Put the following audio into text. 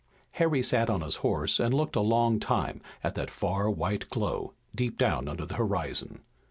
Harry sat on his horse and looked a long time at that far white glow, deep down under the horizon.